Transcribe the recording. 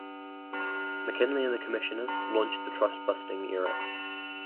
McKinley and the Commissioners launched the trust-busting era.